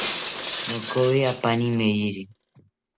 Nokoyi apani meyiri